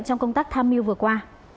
trong công tác tham mưu vừa qua